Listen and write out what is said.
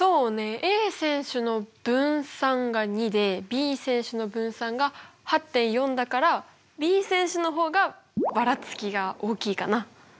Ａ選手の分散が２でＢ選手の分散が８．４だからＢ選手の方がばらつきが大きいかな。